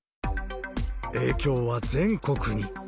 影響は全国に。